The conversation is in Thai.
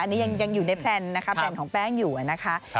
อันนี้ยังอยู่ในแพลนนะคะแพลนของแป้งอยู่นะคะ